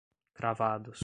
cravados